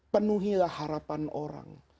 penuhilah harapan orang